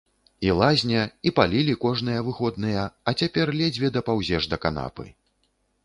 І лазня, і палілі кожныя выходныя, а цяпер ледзьве дапаўзеш да канапы.